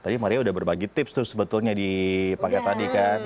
tadi maria udah berbagi tips tuh sebetulnya di paket tadi kan